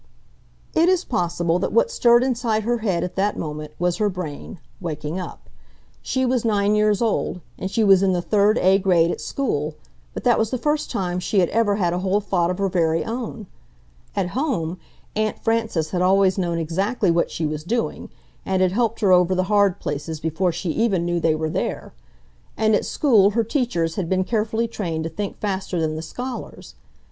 It is possible that what stirred inside her head at that moment was her brain, waking up. She was nine years old, and she was in the third A grade at school, but that was the first time she had ever had a whole thought of her very own. At home, Aunt Frances had always known exactly what she was doing, and had helped her over the hard places before she even knew they were there; and at school her teachers had been carefully trained to think faster than the scholars.